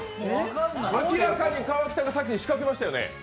明らかに川北が先に仕掛けましたよね？